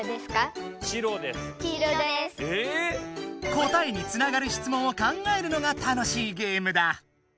⁉答えにつながる質問を考えるのが楽しいゲームだ。